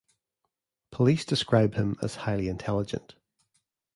Police describe him as highly intelligent.